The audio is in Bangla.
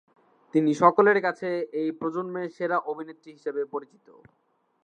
তিনি সকলের কাছে এই প্রজন্মের সেরা অভিনেত্রী হিসেবে পরিচিত।